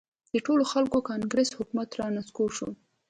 د ټولو خلکو کانګرس حکومت را نسکور شو.